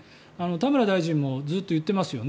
田村大臣もずっと言っていますね。